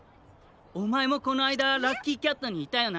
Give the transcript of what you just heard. おまえもこのあいだラッキーキャットにいたよな。